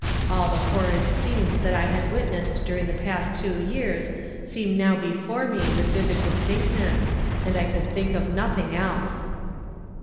All the horrid scenes that I had witnessed during the past two years seemed now before me with vivid distinctness, and I could think of nothing else.